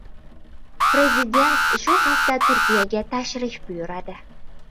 Prezident shu hafta Turkiyaga tashrif buyuradi